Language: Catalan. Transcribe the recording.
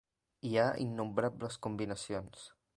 Hi ha innombrables combinacions.